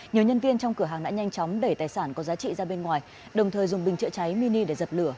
nhiều nhân viên trong cửa hàng đã nhanh chóng đẩy tài sản có giá trị ra bên ngoài đồng thời dùng bình chữa cháy mini để dập lửa